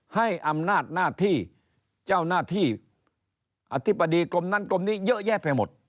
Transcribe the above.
ให้อำนาจหน้าที่เจ้าหน้าที่อธิบดีกรมนั้นกรมนี้เยอะแยะไปหมด